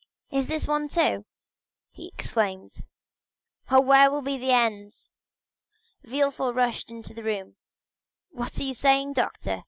"What?—this one, too?" he exclaimed. "Oh, where will be the end?" Villefort rushed into the room. "What are you saying, doctor?"